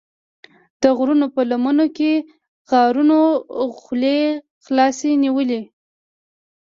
د غرونو په لمنو کې غارونو خولې خلاصې نیولې وې.